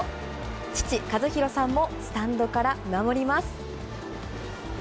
父、和博さんもスタンドから見守ります。